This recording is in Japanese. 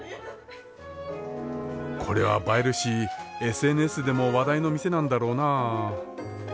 これは映えるしＳＮＳでも話題の店なんだろうなあ。